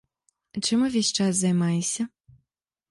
Чым увесь час займаешся?